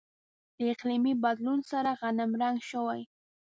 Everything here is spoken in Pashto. له اقلیمي بدلون سره غنمرنګ شوي.